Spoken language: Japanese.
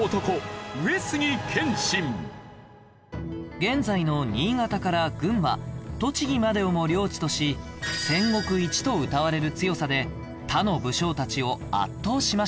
現在の新潟から群馬栃木までをも領地とし戦国イチとうたわれる強さで他の武将たちを圧倒しました